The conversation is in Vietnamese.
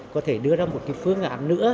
có thể đưa ra một cái phương án nữa